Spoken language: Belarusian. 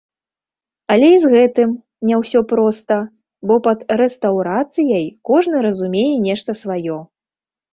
Але і з гэтым не ўсё проста, бо пад рэстаўрацыяй кожны разумее нешта сваё.